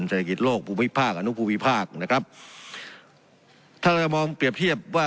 เศรษฐกิจโลกภูมิภาคอนุภูมิภาคนะครับถ้าเราจะมองเปรียบเทียบว่า